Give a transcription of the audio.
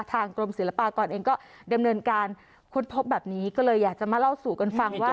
กรมศิลปากรเองก็ดำเนินการคุ้นพบแบบนี้ก็เลยอยากจะมาเล่าสู่กันฟังว่า